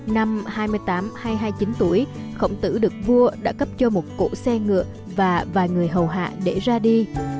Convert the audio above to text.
năm hai mươi tám hai mươi chín tuổi khổng tử đực vua đã cấp cho một cổ xe ngựa và vài người hầu hạ để ra đi